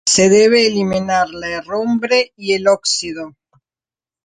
Se debe eliminar la herrumbre y el óxido.